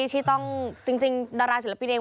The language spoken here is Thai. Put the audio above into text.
ที่ต้องจริงดาราศิลปินเอง